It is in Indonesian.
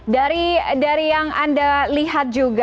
dari yang anda lihat juga